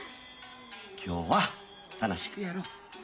今日は楽しくやろう。